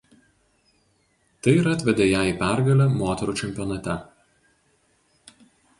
Tai ir atvedė ją į pergalę moterų čempionate.